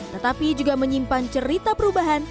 tetapi juga menyimpan cerita perubahan